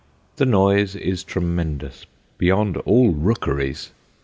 The noise is tremendous, beyond all rookeries.